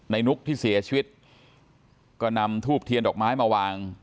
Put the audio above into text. นุกที่เสียชีวิตก็นำทูบเทียนดอกไม้มาวาง